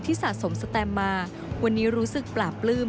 สะสมสแตมมาวันนี้รู้สึกปลาปลื้ม